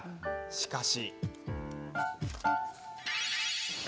しかし。